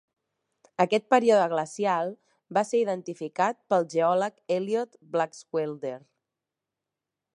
Aquest període glacial va ser identificat pel geòleg Eliot Blackwelder.